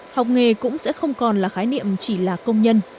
học nghề cũng sẽ không còn là khái niệm chỉ là công nhân